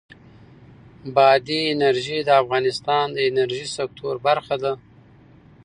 بادي انرژي د افغانستان د انرژۍ سکتور برخه ده.